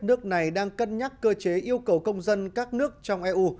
nước này đang cân nhắc cơ chế yêu cầu công dân các nước trong eu